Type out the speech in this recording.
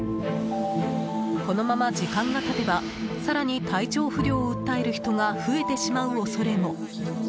このまま時間が経てば更に体調不良を訴える人が増えてしまう恐れも。